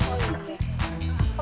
oh ya tapi